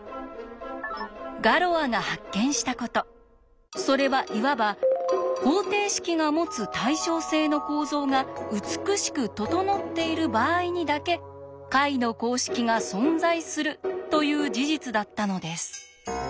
ガロアが発見したことそれはいわば「方程式が持つ対称性の構造が美しく整っている場合にだけ解の公式が存在する」という事実だったのです。